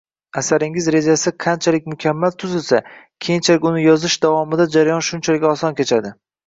Asaringiz rejasi qanchalik mukammal tuzilsa, keyinchalik uni yozish davomida jarayon shunchalik oson kechadi